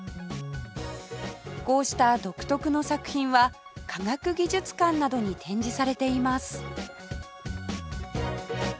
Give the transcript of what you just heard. こうした独特の作品は科学技術館などに展示されています